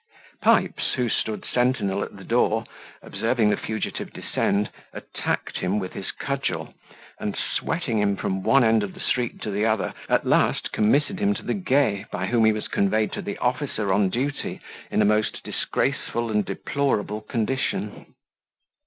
Pipes, who stood sentinel at the door, observing the fugitive descend, attacked him with his cudgel; and sweating him from one end of the street to the other, at last committed him to the guet by whom he was conveyed to the officer on duty in a most disgraceful and deplorable condition.